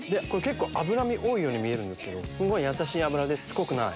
脂身多いように見えるんですけどやさしい脂でしつこくない。